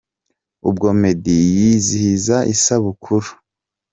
ubwo Meddy yizihizaga isabukuru